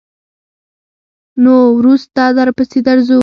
نور وروسته درپسې درځو.